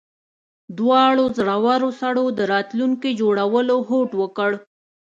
دواړو زړورو سړو د راتلونکي جوړولو هوډ وکړ